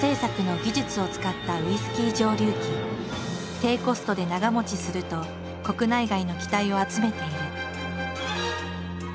低コストで長もちすると国内外の期待を集めている。